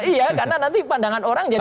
iya karena nanti pandangan orang jadi